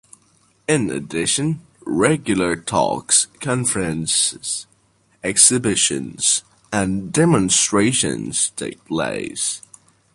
In addition, regular talks, conferences, exhibitions and demonstrations take place.